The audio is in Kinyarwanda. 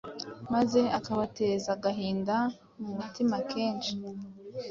maze akabateza agahinda mu mutima kenshi